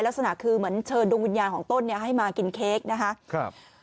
ลักษณะคือเหมือนเชิญดวงวิญญาณของต้นเนี่ยให้มากินเค้กนะคะครับ